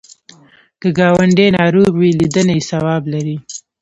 که ګاونډی ناروغ وي، لیدنه یې ثواب لري